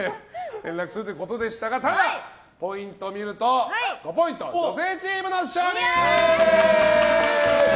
連絡するということでしたからただ、ポイントを見ると５ポイント、女性チームの勝利！